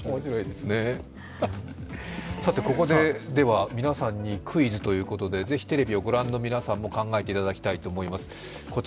では、ここで皆さんにクイズということで、ぜひテレビをご覧の皆さんも考えていただきたいと思います。